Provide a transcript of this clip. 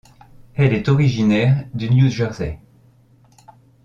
Elle est originaire du New Jersey.